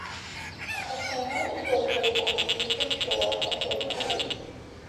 The hamlet is located on the eastern shore of Lake Erie.